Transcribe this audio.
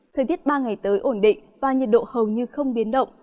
thời tiết ba ngày tới ổn định và nhiệt độ hầu như không biến động